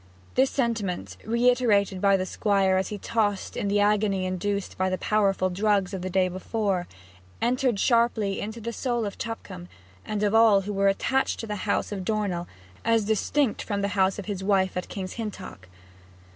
This sentiment, reiterated by the Squire as he tossed in the agony induced by the powerful drugs of the day before, entered sharply into the soul of Tupcombe and of all who were attached to the house of Dornell, as distinct from the house of his wife at King's Hintock.